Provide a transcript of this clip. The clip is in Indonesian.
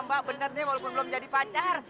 mbak benar nih walaupun belum jadi pacar